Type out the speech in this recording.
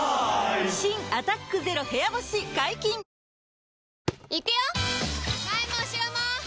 新「アタックＺＥＲＯ部屋干し」解禁‼男性）